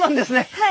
はい。